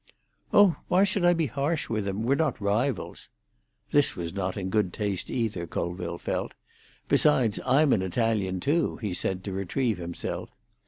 "Oh, why should I be harsh with him? We're not rivals." This was not in good taste either, Colville felt. "Besides, I'm an Italian too," he said, to retrieve himself.